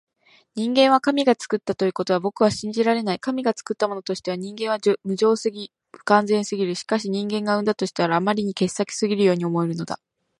人間は神が創ったということは僕は信じられない。神が創ったものとしては人間は無情すぎ、不完全すぎる。しかし自然が生んだとしたら、あまりに傑作すぎるように思えるのだ。